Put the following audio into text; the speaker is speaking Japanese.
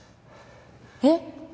えっ？